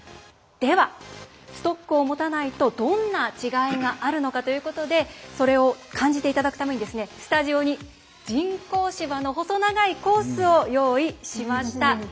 では、ストックを持たないとどんな違いがあるのかということでそれを感じていただくためにスタジオに人工芝の細長いコースを用意しました。